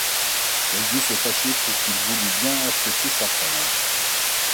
Elle dut se fâcher pour qu’il voulût bien accepter sa part.